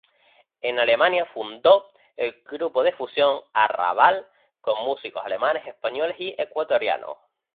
En Alemania fundó el grupo de fusión Arrabal con músicos alemanes, españoles y ecuatorianos.